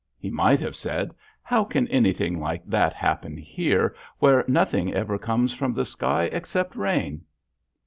He might have said, "How can anything like that happen here where nothing ever comes from the sky except rain?"